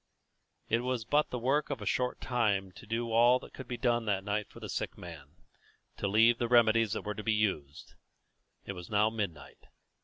It was but the work of a short time to do all that could be done that night for the sick man, to leave the remedies that were to be used. It was now midnight.